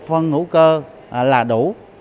phân hữu cơ là đủ